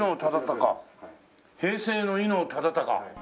「平成の伊能忠敬」